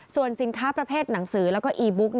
ส่วนสินค้าประเภทหนังสือแล้วก็อีบุ๊ก